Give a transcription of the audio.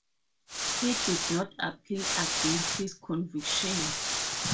He did not appeal against his conviction.